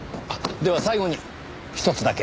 では最後にひとつだけ。